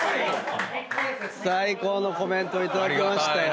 最高のコメント頂きましたよ。